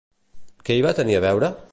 Què hi va tenir a veure?